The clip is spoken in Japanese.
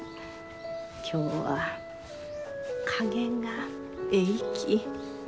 今日は加減がえいき。